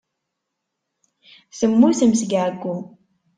Temmutem seg ɛeyyu.